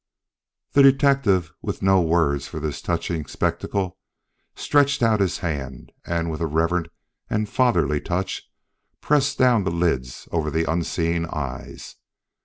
The detective, with no words for this touching spectacle, stretched out his hand and with a reverent and fatherly touch pressed down the lids over the unseeing eyes.